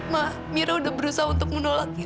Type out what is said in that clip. mak mira udah berusaha untuk menolaknya